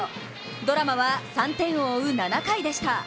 ドラマは、３点を追う７回でした。